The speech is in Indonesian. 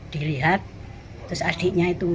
dilihat terus adiknya itu